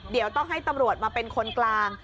เดี๋ยวต้องให้ตำรวจมาเป็นคนกลาง